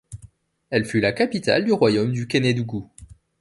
Elle fut la capitale du royaume du Kénédougou.